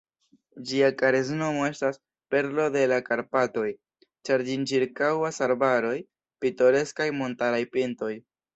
Ĝia karesnomo estas "Perlo de la Karpatoj", ĉar ĝin ĉirkaŭas arbaraj, pitoreskaj montaraj pintoj.